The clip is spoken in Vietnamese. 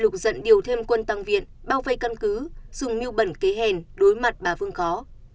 lục dận điều thêm quân tăng viện bao vây căn cứ dùng miêu bẩn kế hèn đối mặt bà vương khó